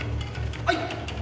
はい！